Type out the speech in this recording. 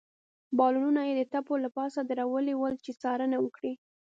بالونونه يې د تپو له پاسه درولي ول، چې څارنه وکړي.